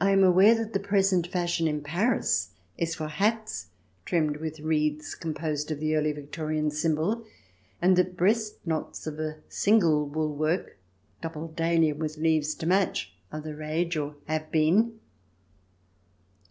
I am aware that the present fashion in Paris is for hats trimmed with wreaths composed of the Early Victorian symbol, and that breast knots of a single wool work double dahlia with leaves to match are the rage, or have been.